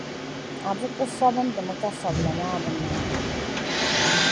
Abu kuli fabindi mi, ka fabila maa bi naara.